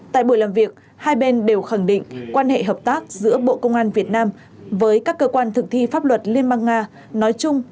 tại buổi làm việc hai bên đều khẳng định quan hệ hợp tác giữa bộ công an việt nam với các cơ quan thực thi pháp luật liên bang nga nói chung